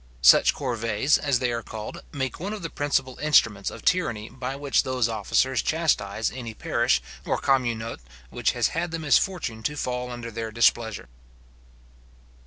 Such corvees, as they are called, make one of the principal instruments of tyranny by which those officers chastise any parish or communeaute, which has had the misfortune to fall under their displeasure.